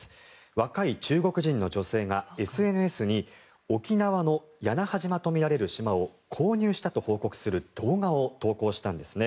若い中国人の女性がＳＮＳに沖縄の屋那覇島とみられる島を購入したと報告する動画を投稿したんです。